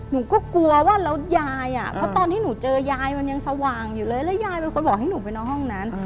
หนูก็กลัวว่าแล้วยายอ่ะเพราะตอนที่หนูเจอยายมันยังสว่างอยู่เลยแล้วยายเป็นคนบอกให้หนูไปนอนห้องนั้น